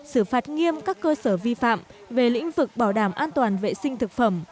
xử phạt nghiêm các cơ sở vi phạm về lĩnh vực bảo đảm an toàn vệ sinh thực phẩm